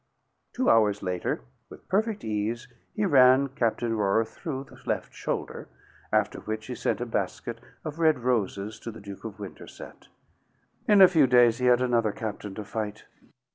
Two hours later, with perfect ease, he ran Captain Rohrer through the left shoulder after which he sent a basket of red roses to the Duke of Winterset. In a few days he had another captain to fight.